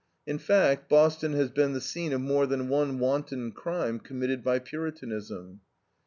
In fact, Boston has been the scene of more than one wanton crime committed by Puritanism.